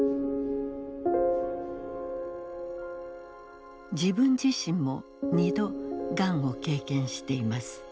自分自身も２度がんを経験しています。